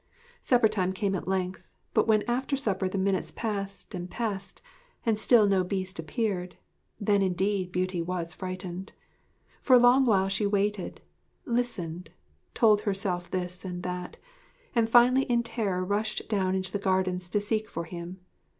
Supper time came at length; but when after supper the minutes passed and passed and still no Beast appeared, then indeed Beauty was frightened. For a long while she waited, listened, told herself this and that, and finally in a terror rushed down into the gardens to seek for him.